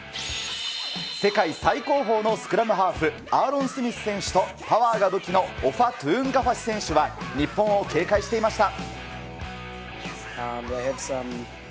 世界最高峰のスクラムハーフ、アーロン・スミス選手と、パワーが武器のオファ・トゥウンガファシ選手が日本を警戒していました。